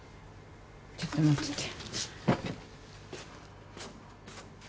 ちょっと待ってて。